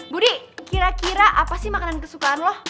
budi kira kira apa sih makanan kesukaan lo